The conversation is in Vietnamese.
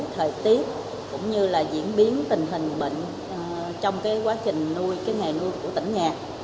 thời tiết cũng như diễn biến tình hình bệnh trong quá trình nuôi ngày nuôi của tỉnh nhà